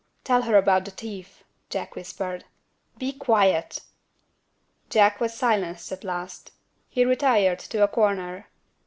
"Tell her about the thief," Jack whispered. "Be quiet!" Jack was silenced at last. He retired to a corner.